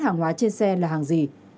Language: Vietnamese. hàng hóa trên xe là hàng gì